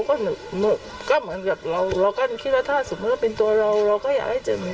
ก็ดีใจด้วยดีใจกับเขาก็เหมือนกับเรา